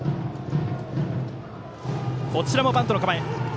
こちらもバントの構え。